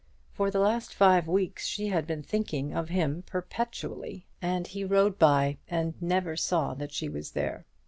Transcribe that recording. For the last five weeks she had been thinking of him perpetually, and he rode by and never saw that she was there.